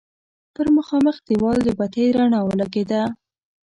پر مخامخ دېوال د بتۍ رڼا ولګېده.